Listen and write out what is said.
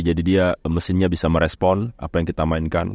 jadi dia mesinnya bisa merespon apa yang kita mainkan